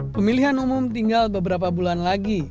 pemilihan umum tinggal beberapa bulan lagi